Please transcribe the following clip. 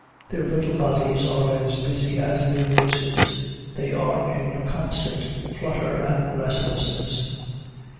Their little bodies are as busy as their voices; they are in a constant flutter and restlessness.